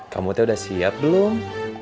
kamu teh udah siap belom